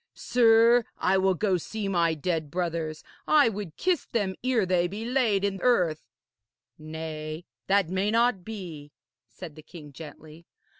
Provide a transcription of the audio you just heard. Sir, I will go see my dead brothers. I would kiss them ere they be laid in earth.' 'Nay, that may not be,' said the king gently.